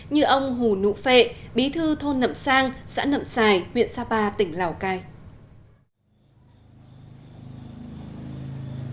như ông hù nụ phệ bí thư thôn nậm sang xã nậm xài huyện sapa tỉnh lào cai